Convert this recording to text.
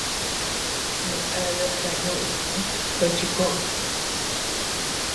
Nangadid baʼa ñuʼuu tochi koʼod.